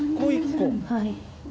はい。